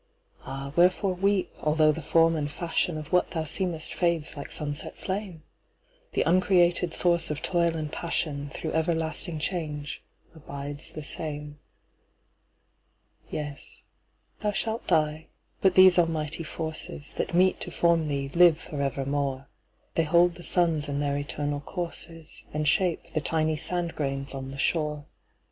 Ah, wherefore weep, although the form and fashionOf what thou seemest fades like sunset flame? The uncreated Source of toil and passionThrough everlasting change abides the same. Yes, thou shalt die: but these almighty forces, That meet to form thee, live for evermore; They hold the suns in their eternal courses, And shape the tiny sand grains on the shore.